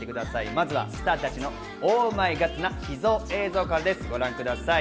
まずはスターたちのＯｈＭｙＧｏｄな秘蔵映像からです、ご覧ください、